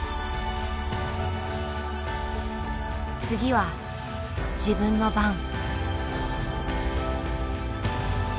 次は自分の番。